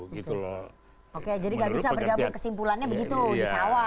oke jadi gak bisa bergabung kesimpulannya begitu di sawah